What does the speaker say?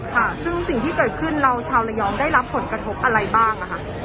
ค่ะซึ่งสิ่งที่เกิดขึ้นเราชาวระยองได้รับผลกระทบอะไรบ้างนะคะ